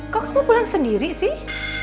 kok kamu pulang sendiri sih